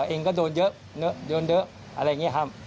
เองก็โดนเยอะโดนเยอะอะไรอย่างนี้ครับ